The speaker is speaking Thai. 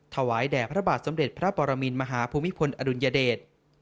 ถวายแด่พระบาทสมเด็จพระปรมินมหาภูมิพลอดุลยเดช